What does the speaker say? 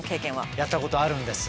やったことあるんです。